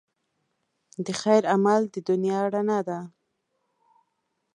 د خیر عمل د دنیا رڼا ده.